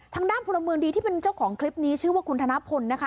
ทางด้านพลเมืองดีที่เป็นเจ้าของคลิปนี้ชื่อว่าคุณธนพลนะคะ